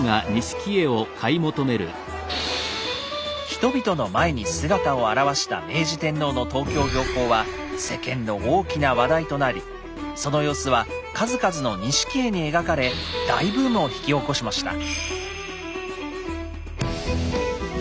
人々の前に姿を現した明治天皇の東京行幸は世間の大きな話題となりその様子は数々の錦絵に描かれ大ブームを引き起こしました。